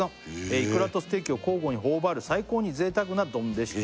「イクラとステーキを交互に頬張る最高に贅沢な丼でした」